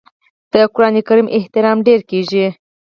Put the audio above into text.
د قران کریم احترام ډیر کیږي.